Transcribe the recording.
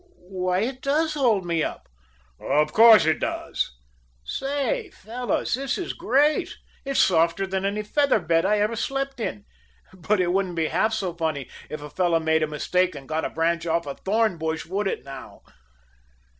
"Why, it does hold me up." "Of course it does." "Say, fellows, this is great. It's softer than any feather bed I ever slept in. But it wouldn't be half so funny if a fellow made a mistake and got a branch off a thorn bush; would it, now?"